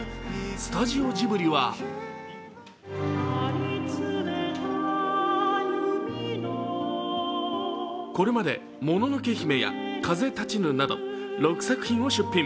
スタジオジブリはこれまで「もののけ姫」や「風立ちぬ」など６作品を出品。